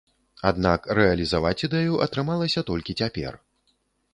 Аднак рэалізаваць ідэю атрымалася толькі цяпер.